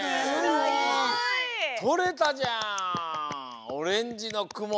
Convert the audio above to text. とれたじゃんオレンジのくも！